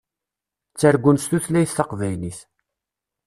Ttargun s tutlayt taqbaylit.